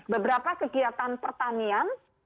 beberapa kegiatan pertanian